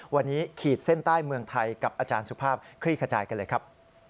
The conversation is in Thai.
วันนี้ขีดเส้นใต้เมืองไทยกับอาจารย์สุภาพคลี่ขจายกันเลยครับ